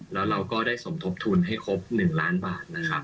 แล้วเราก็ได้สมทบทุนให้ครบ๑ล้านบาทนะครับ